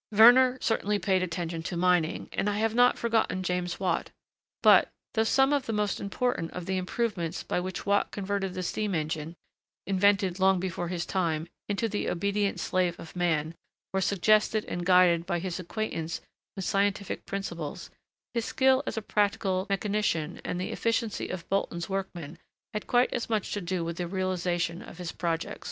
Werner certainly paid attention to mining, and I have not forgotten James Watt. But, though some of the most important of the improvements by which Watt converted the steam engine, invented long before his time, into the obedient slave of man, were suggested and guided by his acquaintance with scientific principles, his skill as a practical mechanician, and the efficiency of Bolton's workmen had quite as much to do with the realisation of his projects.